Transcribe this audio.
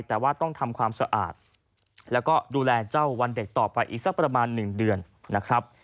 แต่ว่าต้องทำความสะอาดแล้วก็ดูแลเจ้าวันเด็กต่อไปอีกสักประมาณ๑เดือนนะครับ